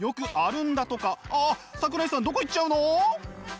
あっ桜井さんどこ行っちゃうの？